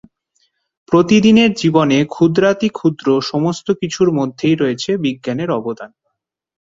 প্রতিদিনের জীবনে ক্ষুদ্রাতিক্ষুদ্র সমস্ত কিছুর মধ্যেই রয়েছে বিজ্ঞানের অবদান।